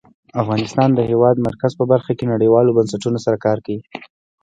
افغانستان د د هېواد مرکز په برخه کې نړیوالو بنسټونو سره کار کوي.